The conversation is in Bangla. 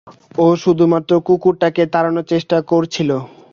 ও শুধুমাত্র কুকুরটাকে তাড়ানোর চেষ্টা করছিল।